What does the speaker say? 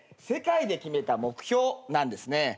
世界で決めた目標なんですね。